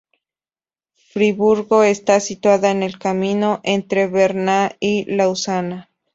Friburgo está situada en el camino entre Berna y Lausana.